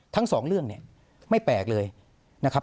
ทั้งสองเรื่องเนี่ยไม่แปลกเลยนะครับ